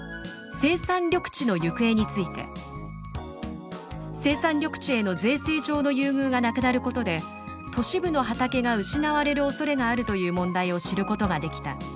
“生産緑地”のゆくえ」について「生産緑地への税制上の優遇がなくなることで都市部の畑が失われるおそれがあるという問題を知ることができた。